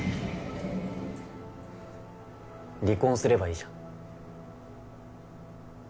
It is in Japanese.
離婚すればいいじゃん